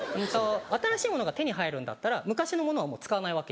新しいものが手に入るんだったら昔のものはもう使わない。